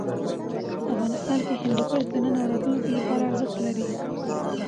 افغانستان کې هندوکش د نن او راتلونکي لپاره ارزښت لري.